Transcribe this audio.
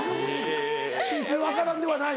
分からんではない？